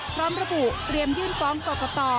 พร้อมระบุเตรียมยื่นฟ้องกรกต